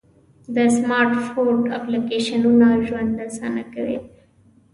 د سمارټ فون اپلیکیشنونه ژوند آسانه کوي.